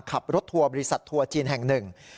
ทัวร์บริษัททัวร์จีนแห่งหนึ่ง